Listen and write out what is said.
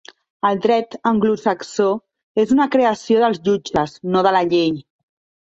El dret anglosaxó és una creació dels jutges, no de la llei.